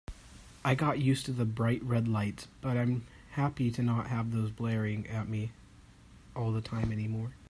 I got used to the bright red lights, but I'm happy to not have those blaring at me all the time anymore.